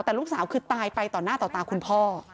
แต่ลูกสาวคือตายไปต่อหน้าต่อตาคุณพ่อ